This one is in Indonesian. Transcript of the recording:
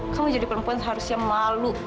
kamu jadi perempuan seharusnya malu